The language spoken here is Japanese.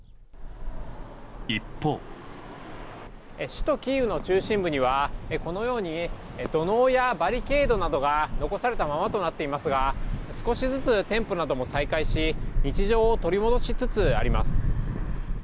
首都キーウの中心部にはこのように土のうやバリケードなどが残されたままとなっていますが少しずつ店舗なども再開し日常を取り戻しつつあります。